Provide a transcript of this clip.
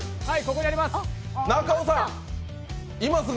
ここにあります！